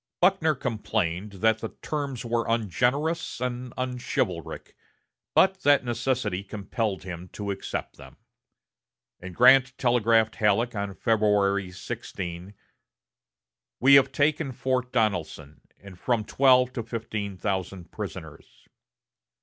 Buckner complained that the terms were ungenerous and unchivalric, but that necessity compelled him to accept them; and Grant telegraphed Halleck on February 16: "We have taken Fort Donelson, and from twelve to fifteen thousand prisoners."